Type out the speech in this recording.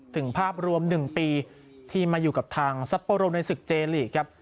ภาพรวม๑ปีที่มาอยู่กับทางซัปโปโรในศึกเจลีกครับ